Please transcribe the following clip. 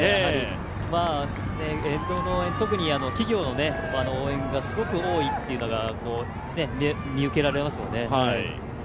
沿道の応援、特に企業の応援がすごく多いというのが見受けられますよね。